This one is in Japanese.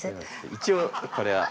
一応これは。